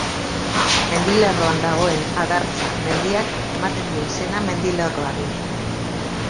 Mendilerroan dagoen Adartza mendiak ematen dio izena mendilerroari.